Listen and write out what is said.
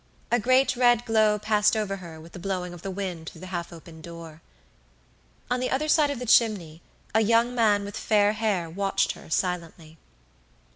A great red glow passed over her with the blowing of the wind through the half open door. On the other side of the chimney a young man with fair hair watched her silently.